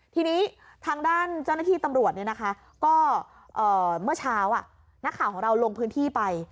ทีนี้ทางด้านเจ้าหน้าที่ตำรวจก็เมื่อเช้านักข่าวของเราลงพื้นที่ไป